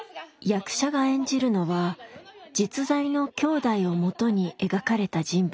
役者が演じるのは実在のきょうだいをもとに描かれた人物です。